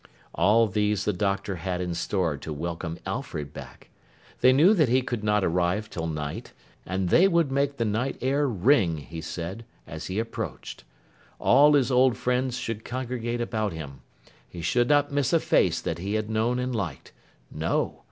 All these the Doctor had in store to welcome Alfred back. They knew that he could not arrive till night; and they would make the night air ring, he said, as he approached. All his old friends should congregate about him. He should not miss a face that he had known and liked. No!